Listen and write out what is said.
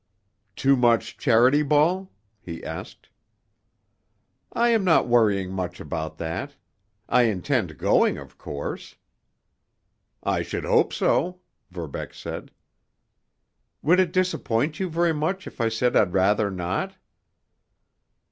"Too much Charity Ball?" he asked. "I am not worrying much about that. I intend going, of course." "I should hope so," Verbeck said. "Would it disappoint you very much if I said I'd rather not?"